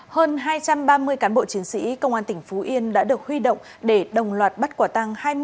hơn hai trăm ba mươi cán bộ chiến sĩ công an tỉnh phú yên đã được huy động để đồng loạt bắt quả tăng